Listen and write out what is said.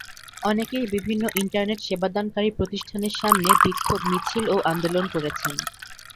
অনেকেই বিভিন্ন ইন্টারনেট সেবাদানকারী প্রতিষ্ঠানের সামনে বিক্ষোভ মিছিল ও আন্দোলন করেছেন।